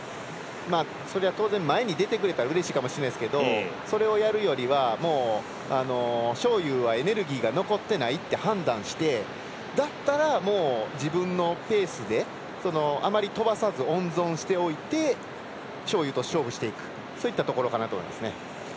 たぶんマルセルも出ろって言わなくなったんですがたぶん、フグにしてみれば当然前に出てくれたらうれしいかもしれないですけどそれをやるよりは章勇はエネルギーが残ってないって判断してだったら自分のペースであまり飛ばさず温存しておいて章勇と勝負しておくそういったところかなと思いますね。